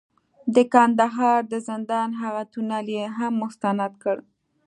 د کندهار د زندان هغه تونل یې هم مستند کړ،